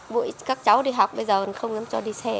bụi các cháu đi học bây giờ không dám cho đi xe